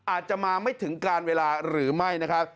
อาจจะมาไม่ถึงการเวลาหรือไม่นะครับ